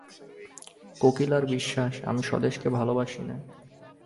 কলিকার বিশ্বাস, আমি স্বদেশকে ভালোবাসি নে।